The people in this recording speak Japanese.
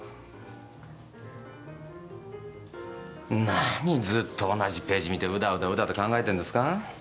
何ずっと同じページ見てうだうだうだうだ考えてんですか？